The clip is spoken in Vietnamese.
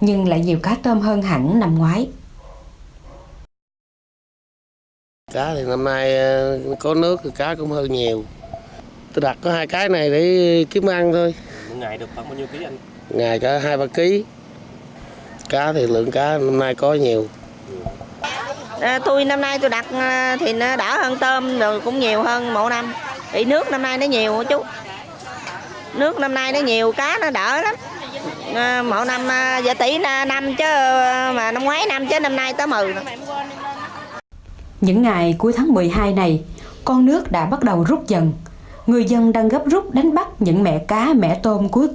nhưng rồi đầu tháng một mươi khi con nước tràn về mang theo tôm cá